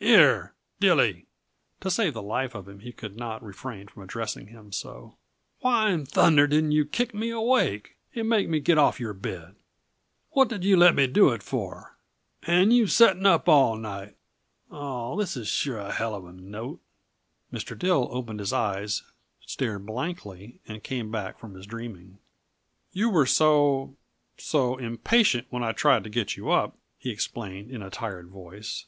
"Here, Dilly" to save the life of him he could not refrain from addressing him so "why in thunder didn't yuh kick me awake, and make me get off your bed? What did yuh let me do it for and you setting up all night oh, this is sure a hell of a note!" Mr. Dill opened his eyes, stared blankly and came back from his dreaming. "You were so so impatient when I tried to get you up," he explained in a tired voice.